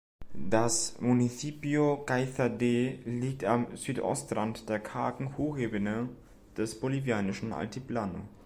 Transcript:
Das Municipio Caiza „D“ liegt am Südostrand der kargen Hochebene des bolivianischen Altiplano.